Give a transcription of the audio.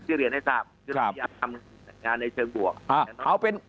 ชื่อเรียนให้ทราบชื่อเรียนทำงานในเชิงบวก